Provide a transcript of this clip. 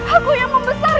aku yang membesarkanmu